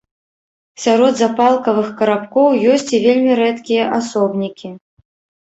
Сярод запалкавых карабкоў ёсць і вельмі рэдкія асобнікі.